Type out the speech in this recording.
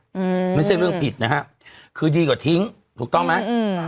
อืมไม่ใช่เรื่องผิดนะฮะคือดีกว่าทิ้งถูกต้องไหมอืม